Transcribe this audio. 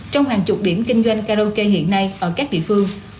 trong hàng chục điểm kinh doanh karaoke hiện nay ở các địa phương